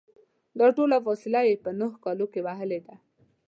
دا ټوله فاصله یې په نهو کالو کې وهلې ده.